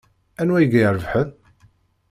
Anwa i irebḥen?